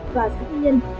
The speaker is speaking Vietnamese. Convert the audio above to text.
và tất nhiên